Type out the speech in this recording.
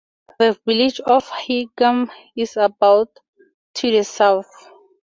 The village of Higham is about to the south.